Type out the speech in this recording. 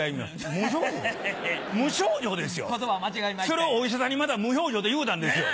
それをお医者さんにまた無表情って言うたんですよ。